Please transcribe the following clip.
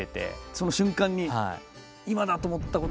その瞬間に「今だ」と思ったことが。